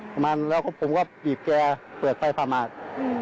ประมาณนั้นก็ผมก็บีบแก่เพิดไฟฟ้ามาก